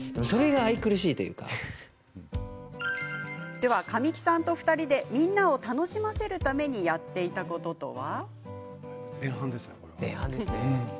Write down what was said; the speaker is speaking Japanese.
では、神木さんと２人でみんなを楽しませるためにやっていたこととは。